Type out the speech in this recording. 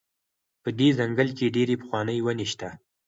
په دې ځنګل کې ډېرې پخوانۍ ونې شته.